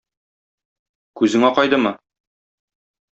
Күзең акайдымы?